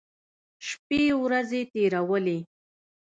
شپې ورځې تېرولې.